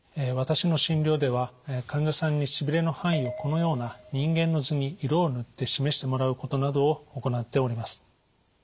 私の診療では患者さんにしびれの範囲をこのような人間の図に色を塗って示してもらうことなどを行っております。